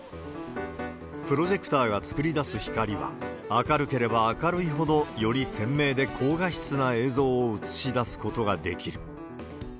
プロジェクターが作り出す光は、明るければ明るいほど、より鮮明で高画質な映像を映し出すことができる。